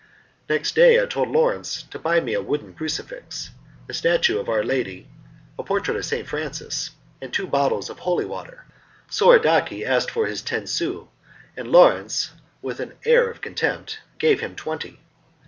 Next day I told Lawrence to buy me a wooden crucifix, a statue of Our Lady, a portrait of St. Francis, and two bottles of holy water. Soradaci asked for his ten sous, and Lawrence, with an air of contempt, gave him twenty.